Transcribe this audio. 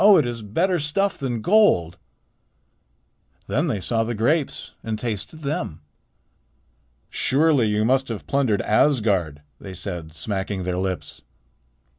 it is better stuff than gold." Then they saw the grapes and tasted them. "Surely you must have plundered Asgard," they said, smacking their lips.